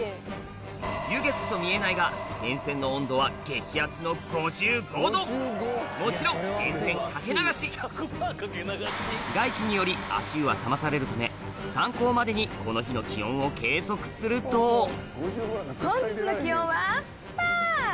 湯気こそ見えないが源泉の温度は激アツの５５℃もちろん源泉掛け流し外気により足湯は冷まされるため参考までにこの日の気温を計測するとぱぁ！